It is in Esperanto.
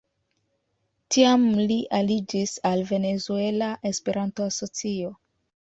Tiam li aliĝis al Venezuela Esperanto-Asocio.